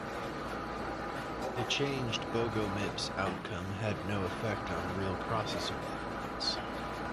The changed BogoMips outcome had no effect on real processor performance.